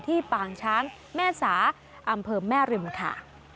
ปางช้างแม่สาอำเภอแม่ริมค่ะ